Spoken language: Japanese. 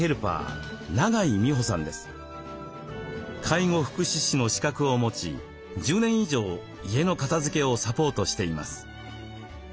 介護福祉士の資格を持ち１０年以上家の片づけをサポートしています。